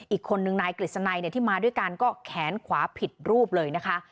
อีกคนนึงนายกฤษณัยที่มาด้วยกันก็แขนขวาผิดรูปเลยนะคะ